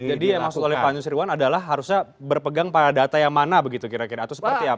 jadi yang masuk oleh pak anjus rewan adalah harusnya berpegang pada data yang mana begitu kira kira atau seperti apa